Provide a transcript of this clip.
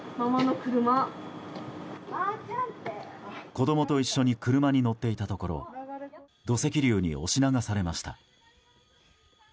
子供と一緒に車に乗っていたところ土石流に押し流されました。